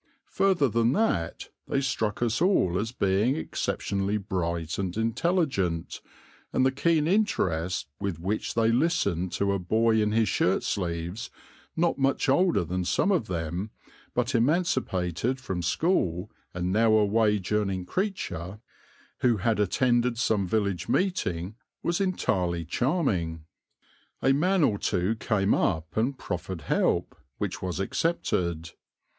Further than that, they struck us all as being exceptionally bright and intelligent, and the keen interest with which they listened to a boy in his shirt sleeves, not much older than some of them, but emancipated from school and now a wage earning creature, who had attended some village meeting, was entirely charming. A man or two came up and proffered help, which was accepted.